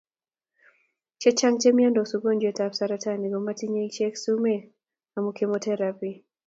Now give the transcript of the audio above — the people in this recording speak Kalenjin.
chechang' che miandos ugojwet ab saratani komatinye ichek sumek amun chemotherapy